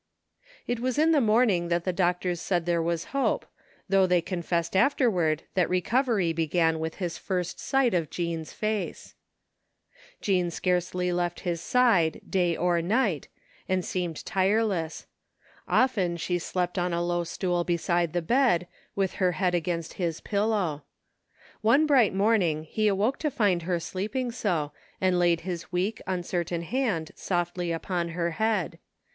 It was in the morning that the doctors said there was hope, though they confessed afterward that re covery began with his first sight of Jean's face. Jean scarcely left his side day or night, and seemed tireless. Often she slept on a low stool beside the bed, with her head against his pillow. One bright morn ing he awoke to find her sleeping so, and laid his weak uncertain hand softly upon her head.